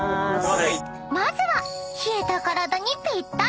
［まずは冷えた体にぴったり］